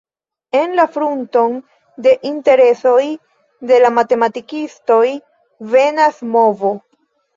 En frunton de interesoj de la matematikistoj venas movo.